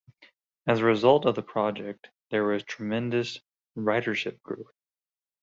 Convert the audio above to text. As a result of the project, there was tremendous ridership growth.